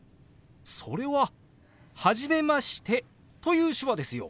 それは「初めまして」という手話ですよ。